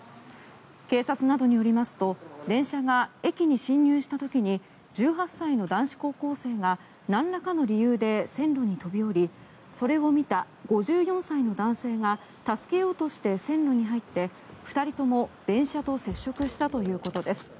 警察などによりますと電車が駅に進入した時に１８歳の男子高校生がなんらかの理由で線路に飛び降りそれを見た５４歳の男性が助けようとして線路に入って２人とも電車と接触したということです。